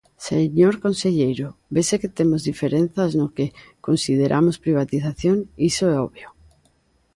Señor conselleiro, vese que temos diferenzas no que consideramos privatización, iso é obvio.